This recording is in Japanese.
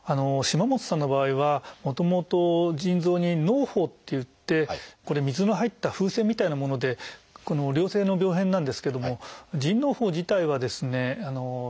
島本さんの場合はもともと腎臓に「のう胞」っていってこれ水の入った風船みたいなもので良性の病変なんですけども腎のう胞自体はですね